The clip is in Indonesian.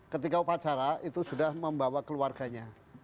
ketika upacara itu sudah membawa keluarganya